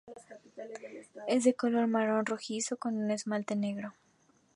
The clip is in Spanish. Es de color marrón rojizo, con un esmalte negro.